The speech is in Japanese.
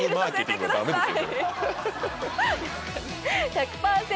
「１００％！